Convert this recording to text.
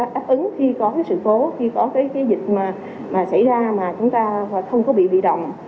đáp ứng khi có sự phố khi có dịch xảy ra mà chúng ta không có bị bị động